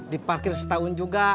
di parkir setahun juga